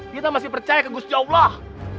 kita masih percaya keguguran allah